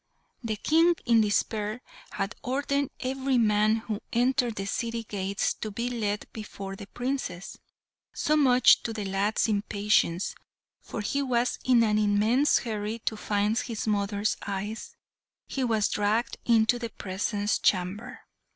The King, in despair, had ordered every man who entered the city gates to be led before the Princess; so, much to the lad's impatience, for he was in an immense hurry to find his mothers' eyes, he was dragged into the presence chamber.